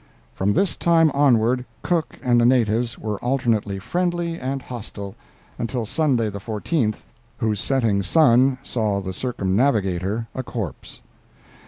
From this time onward Cook and the natives were alternately friendly and hostile until Sunday, the 14th, whose setting sun saw the circumnavigator a corpse.